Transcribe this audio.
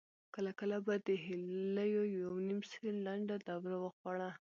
کله کله به د هيليو يوه نيم سېل لنډه دوره وخوړه.